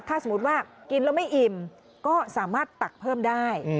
ถ้าสมมุติว่ากินแล้วไม่อิ่มก็สามารถตักเพิ่มได้